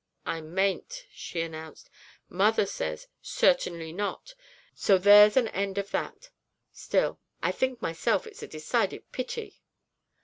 'I mayn't,' she announced. 'Mother says "Certainly not," so there's an end of that! Still, I think myself it's a decided pity.'